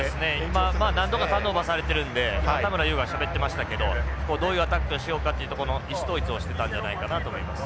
今何度かターンオーバーされてるんで田村優がしゃべってましたけどどういうアタックしようかっていうとこの意思統一をしてたんじゃないかなと思います。